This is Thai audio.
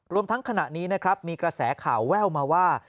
รวมทั้งขณะนี้มีกระแสข่าวแววมาว่า